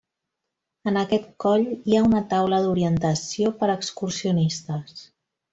En aquest coll hi ha una taula d'orientació per a excursionistes.